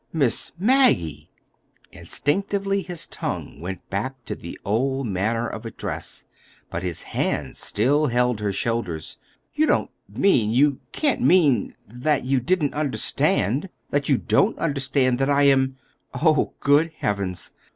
"Miss Maggie!" Instinctively his tongue went back to the old manner of address, but his hands still held her shoulders. "You don't mean—you can't mean that—that you didn't understand—that you don't understand that I am—Oh, good Heavens!